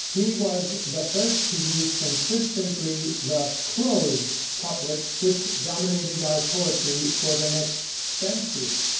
He was the first to use consistently the "closed" couplet which dominated our poetry for the next century.